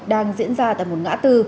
đang diễn ra tại một ngã tư